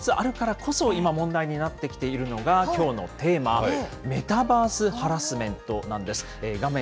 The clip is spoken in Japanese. そんな身近なものになりつつあるからこそ、今、問題になってきているのが、きょうのテーマ、メタバース・ハラスメントなんです。